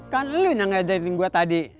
kan lu yang ngajarin gue tadi